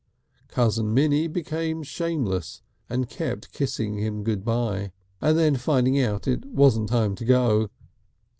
Cousin Minnie became shameless and kept kissing him good by and then finding out it wasn't time to go.